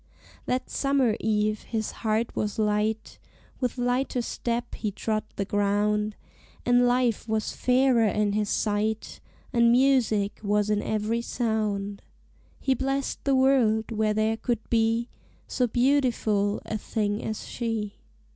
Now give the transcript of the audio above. That summer eve his heart was light: With lighter step he trod the ground: And life was fairer in his sight, And music was in every sound: He blessed the world where there could be So beautiful a thing as she.